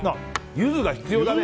ユズが必要だね。